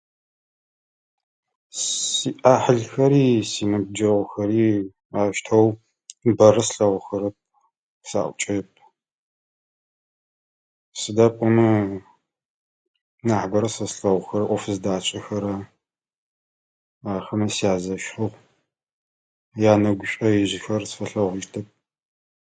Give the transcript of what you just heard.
Сиӏахьылхэри синыбджэгъухэри аущтэу бэрэ слъэгъухэрэп, саӏукӏэрэп. Сыда пӏомэ нахьыбэрэ сэ слъэгъухэрэр ӏоф зыдасшӏэхэрэ. Ахэмэ сязэщыгъ. Янэгу шӏоижъхэр сфэлъэгъужьытэп.